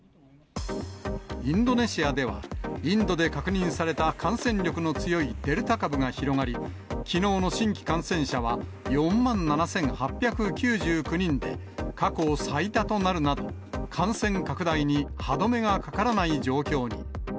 インドネシアでは、インドで確認された、感染力の強いデルタ株が広がり、きのうの新規感染者は４万７８９９人で、過去最多となるなど、感染拡大に歯止めがかからない状況に。